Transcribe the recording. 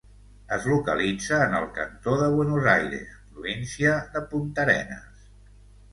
Es localitza en el cantó de Buenos Aires, província de Puntarenas.